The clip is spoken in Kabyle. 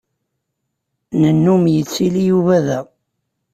Nennum yettili Yuba da.